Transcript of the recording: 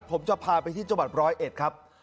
ผมจะพาไปที่จังหวัดร้อยเอ็ดครับ